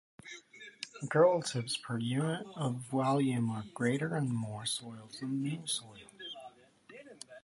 Mycorrhizal tips per unit of volume are greater in mor soils than mull soils.